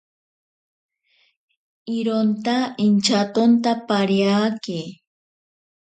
Ironta intyatonta pariake.